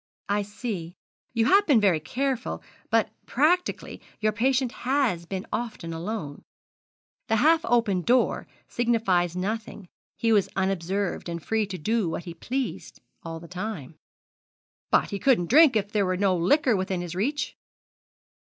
'I see you have been very careful; but practically your patient has been often alone the half open door signifies nothing he was unobserved, and free to do what he pleased all the same.' 'But he couldn't drink if there was no liquor within reach.'